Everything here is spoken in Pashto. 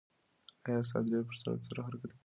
ایا ساعت ډېر په سرعت سره حرکت کوي؟